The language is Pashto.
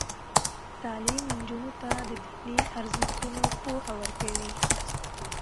تعلیم نجونو ته د دیني ارزښتونو پوهه ورکوي.